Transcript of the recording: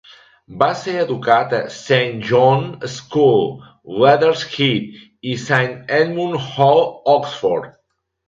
Va ser educat a Saint John's School, Leatherhead i Saint Edmund Hall, Oxford.